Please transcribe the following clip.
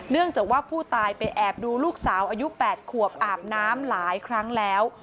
จากว่าผู้ตายไปแอบดูลูกสาวอายุ๘ขวบอาบน้ำหลายครั้งแล้ว